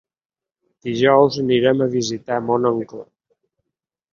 Dijous anirem a visitar mon oncle.